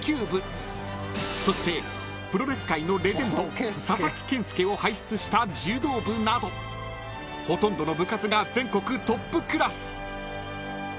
［そしてプロレス界のレジェンド佐々木健介を輩出した柔道部などほとんどの部活が全国トップクラス］